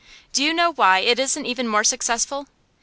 Do you know why it isn't even more successful?